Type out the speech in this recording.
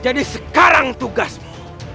jadi sekarang tugasmu